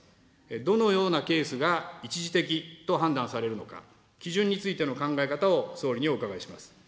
どのようなケースが一時的と判断されるのか、基準についての考え方を総理にお伺いします。